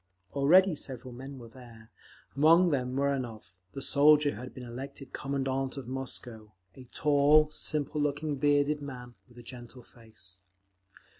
Already several men were there, among them Muranov, the soldier who had been elected Commandant of Moscow—a tall, simple looking, bearded man with a gentle face.